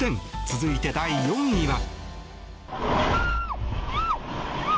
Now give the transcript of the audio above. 続いて、第４位は。